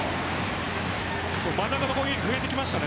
真ん中の攻撃増えてきました。